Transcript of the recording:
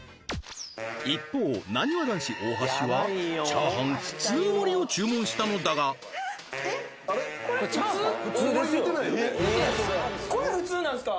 一方なにわ男子チャーハン普通盛を注文したのだがこれ普通なんすか？